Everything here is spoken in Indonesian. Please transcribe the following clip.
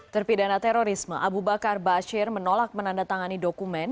terpidana terorisme abu bakar bashir menolak menandatangani dokumen